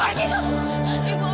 pergi pergi kamu